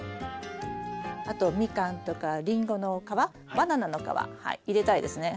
あとミカンとかリンゴの皮バナナの皮入れたいですね。